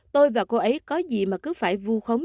tôi và cô ấy có gì mà cứ phải vu khống